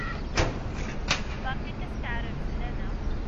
Berka-k askeɛrer fell-aneɣ!